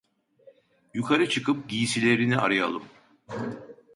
Yukarı çıkıp giysilerini arayalım!